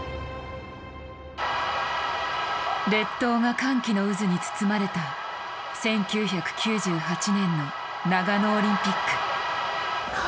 列島が歓喜の渦に包まれた１９９８年の長野オリンピック。